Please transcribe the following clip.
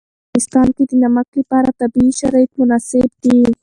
په افغانستان کې د نمک لپاره طبیعي شرایط مناسب دي.